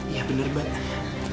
iya bener banget